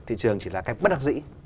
thị trường chỉ là cái bất đặc dĩ